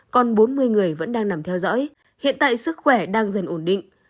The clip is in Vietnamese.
còn bốn mươi người vẫn đang nằm theo dõi hiện tại sức khỏe đang dần ổn định